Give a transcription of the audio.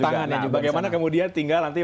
pertanyaannya bagaimana kemudian tinggal nanti